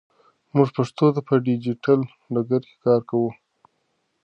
موږ پښتو ته په ډیجیټل ډګر کې کار کوو.